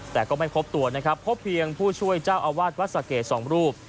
แต่ก็ไม่พบตัวนะครับพบเพียงผู้ช่วยเจ้าอาวาสวัดสะเกดสองรูป